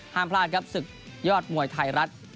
ห้ามพลาดครับศึกยอดมวยไทยรัฐ